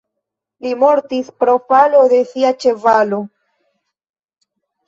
Li mortis pro falo de sia ĉevalo.